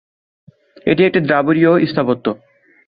এটি একটি দ্রাবিড়ীয় স্থাপত্য।